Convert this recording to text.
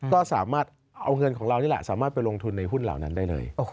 ก็สามารถเอาเงินของเรานี่แหละสามารถไปลงทุนในหุ้นเหล่านั้นได้เลย